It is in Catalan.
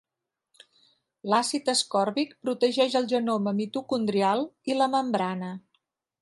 L'àcid ascòrbic protegeix el genoma mitocondrial i la membrana.